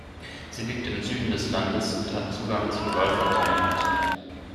Sie liegt im Süden des Landes und hat Zugang zum Golf von Thailand.